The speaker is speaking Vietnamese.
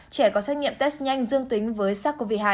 trẻ có xét nghiệm test nhanh dương tính với sars cov hai